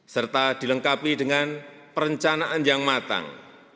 serta dilengkapi dengan perencanaan yang matang